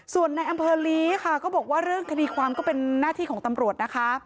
ส่วนในอำเภอลีค่ะก็บอกว่าเรื่องคดีความก็เป็นหน้าที่ของตำรวจนะคะ